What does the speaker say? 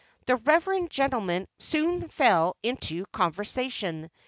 The reverend gentlemen soon fell into conversation.